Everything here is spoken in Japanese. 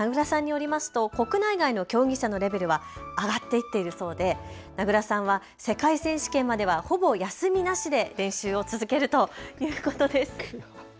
名倉さんによりますと国内外の競技者のレベルが上がっていているそうで名倉さんは世界選手権まではほぼ休みなしで練習を続けるということです。